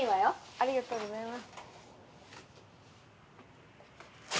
ありがとうございます。